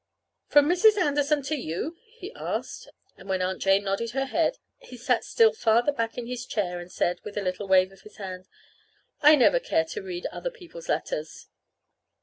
"From Mrs. Anderson to you?" he asked. And when Aunt Jane nodded her head he sat still farther back in his chair and said, with a little wave of his hand, "I never care to read other people's letters."